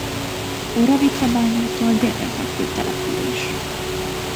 Oravicabányától délre fekvő település.